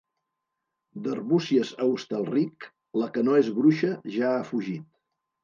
D'Arbúcies a Hostalric, la que no és bruixa ja ha fugit.